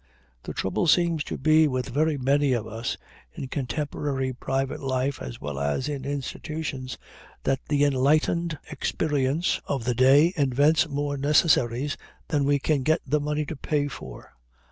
The trouble seems to be with very many of us, in contemporary private life as well as in institutions, that the enlightened experience of the day invents more necessaries than we can get the money to pay for.